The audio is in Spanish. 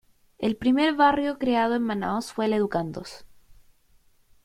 El primer barrio creado en Manaos fue el "Educandos".